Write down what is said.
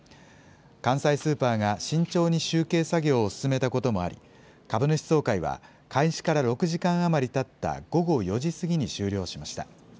関西スーパーが慎重に集計作業を進めたこともあり、株主総会は開始から６時間余りたった午後４時過ぎに終了しました。